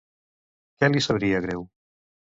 Què li sabria greu?